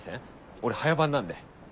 俺早番なんで。